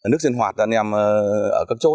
nước sinh hoạt ta nèm ở các chốt